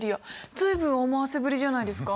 随分思わせぶりじゃないですか？